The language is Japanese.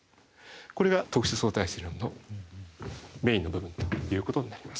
これが特殊相対性理論のメインの部分ということになります。